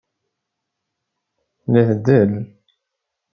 Tella tdel.